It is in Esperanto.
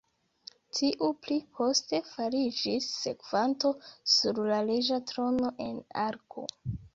Tiu pli poste fariĝis sekvanto sur la reĝa trono en Argo.